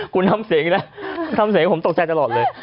คุณทำเสียงอีกนะทำเสียงผมตกใจตลอดเลย